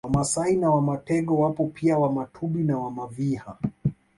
Wamasai na Wamatengo wapo pia Wamatumbi na Wamaviha